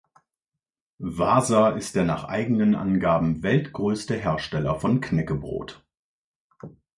Wasa ist der nach eigenen Angaben weltgrößte Hersteller von Knäckebrot.